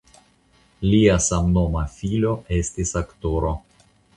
Lia samnoma filo estis aktoro.